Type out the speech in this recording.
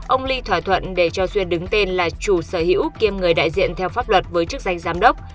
ông ly thỏa thuận để cho duyên đứng tên là chủ sở hữu kiêm người đại diện theo pháp luật với chức danh giám đốc